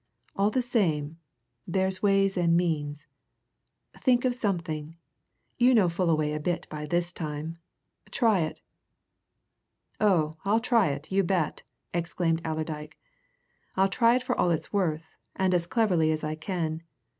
"All the same, there's ways and means. Think of something you know Fullaway a bit by this time. Try it!" "Oh, I'll try it, you bet!" exclaimed Allerdyke. "I'll try it for all it's worth, and as cleverly as I can.